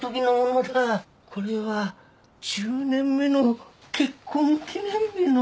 これは１０年目の結婚記念日の。